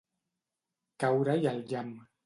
Caure-hi el llamp.